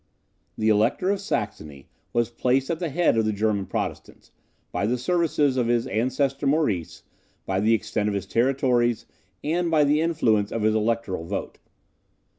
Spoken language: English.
The Elector of Saxony was placed at the head of the German Protestants, by the services of his ancestor Maurice, by the extent of his territories, and by the influence of his electoral vote.